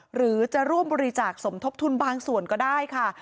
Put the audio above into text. หรือจะร่วมบริจาคสมทบทุนบางส่วนก็ได้ค่ะ